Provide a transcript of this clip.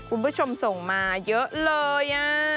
คุณผู้ชมส่งมาเยอะเลย